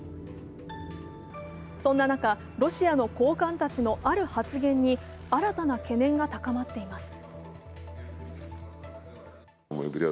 そんな中、ロシアの高官たちのある発言に新たな懸念が高まっています。